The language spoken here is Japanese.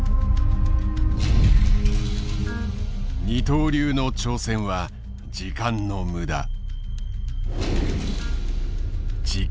「二刀流の挑戦は時間のむだ」。